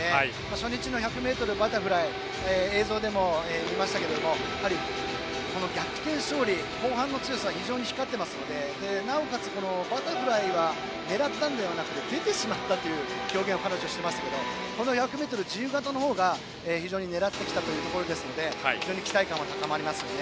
初日の１００ｍバタフライは映像でも見ましたけれども逆転勝利、後半の強さが非常に光っていますのでなおかつ、バタフライは狙ったんではなく出てしまったという表現を彼女はしていましたけどこの１００ｍ自由形のほうが狙ってきましたので非常に期待感は高まりますよね。